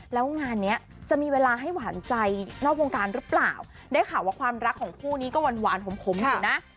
แล้วงานเนี้ยจะมีเวลาให้หวานใจนอกวงการหรือเปล่าได้ข่าวว่าความรักของคู่นี้ก็หวานหวานขมอยู่นะ